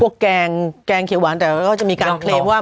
พวกแกงแกงเขียวหวานแต่เราก็จะมีการเคลมว่า